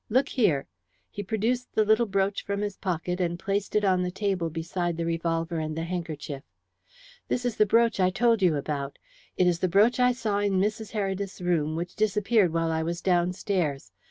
Look here!" He produced the little brooch from his pocket and placed it on the table beside the revolver and the handkerchief. "This is the brooch I told you about. It is the brooch I saw in Mrs. Heredith's room which disappeared while I was downstairs.